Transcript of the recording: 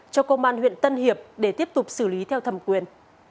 cho công an huyện tân hiệp để tiếp tục xử lý theo thẩm quyền